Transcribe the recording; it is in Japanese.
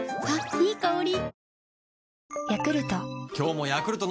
いい香り。